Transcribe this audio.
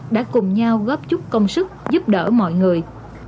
đã cùng nhau góp chút công sức giúp đỡ mọi người